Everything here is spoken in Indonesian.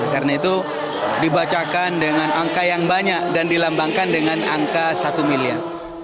karena itu dibacakan dengan angka yang banyak dan dilambangkan dengan angka satu miliar